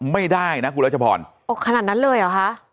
ไม่ได้นะคุณรัชพรอดขนาดนั้นเลยเหรอคะ